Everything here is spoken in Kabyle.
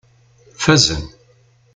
Fazen.